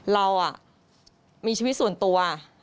เรามีชีวิตส่วนตัว